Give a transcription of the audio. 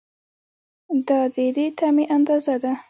دا د دې تمې اندازه ده.